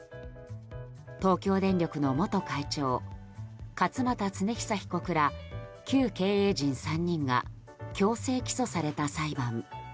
東京電力の元会長勝俣恒久被告ら旧経営陣３人が強制起訴された裁判。